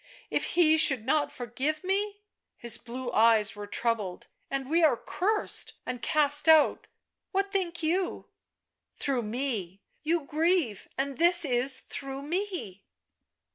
" If He should not forgive?" — his blue eyes were troubled —" and we are cursed and cast out — what think you ?"" Through me !— you grieve, and this is — through me